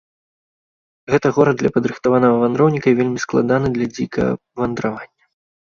Гэта горад для падрыхтаванага вандроўніка і вельмі складаны для дзікага вандравання.